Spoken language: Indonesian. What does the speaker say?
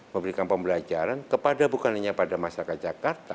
memberikan pembelajaran kepada bukan hanya pada masyarakat jakarta